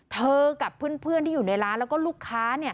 กับเพื่อนที่อยู่ในร้านแล้วก็ลูกค้า